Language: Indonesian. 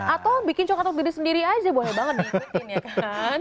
atau bikin coklat untuk diri sendiri aja boleh banget diikutin ya kan